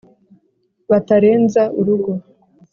batarenza urugo